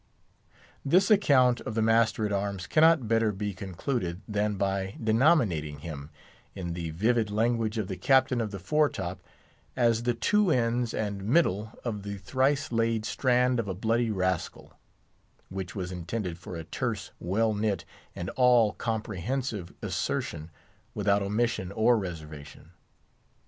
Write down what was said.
This account of the master at arms cannot better be concluded than by denominating him, in the vivid language of the Captain of the Fore top, as "the two ends and middle of the thrice laid strand of a bloody rascal," which was intended for a terse, well knit, and all comprehensive assertion, without omission or reservation.